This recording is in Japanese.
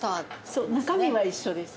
そう中身は一緒です。